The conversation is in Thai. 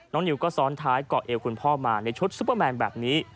นิวก็ซ้อนท้ายเกาะเอวคุณพ่อมาในชุดซุปเปอร์แมนแบบนี้